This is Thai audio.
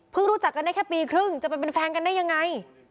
รู้จักกันได้แค่ปีครึ่งจะไปเป็นแฟนกันได้ยังไง